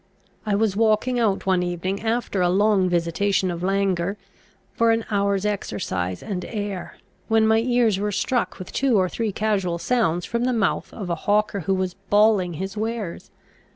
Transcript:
I was walking out one evening, after a long visitation of languor, for an hour's exercise and air, when my ears were struck with two or three casual sounds from the mouth of a hawker who was bawling his wares.